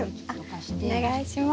お願いします。